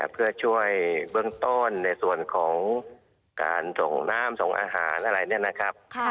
เพื่อช่วยเบื้องต้นในส่วนของการส่งน้ำส่งอาหารอะไรเนี่ยนะครับ